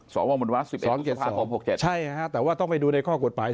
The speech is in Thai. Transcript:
สวหมดว่า๑๑๐๕๖๗ใช่ฮะแต่ว่าต้องไปดูในข้อกฎหมาย